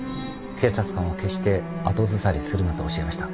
警察官は決して後ずさりするなと教えました。